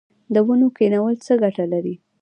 د ونو کینول څه ګټه لري؟